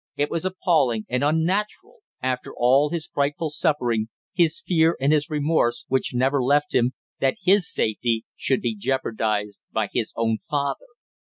It was appalling and unnatural, after all his frightful suffering, his fear, and his remorse which never left him, that his safety should be jeopardized by his own father!